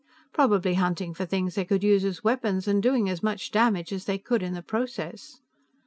"Probably hunting for things they could use as weapons, and doing as much damage as they could in the process."